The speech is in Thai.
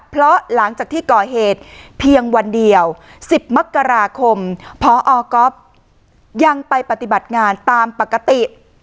เพราะหลังจากที่ก่อเหตุเพียงวันเดียว๑๐มกราคมพอก๊อฟยังไปปฏิบัติงานตามปกติ